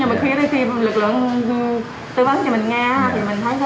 nhưng mà khi ở đây tìm lực lượng tư vấn cho mình nghe